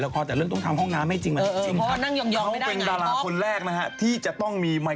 หงายท้องจริงหงายเลย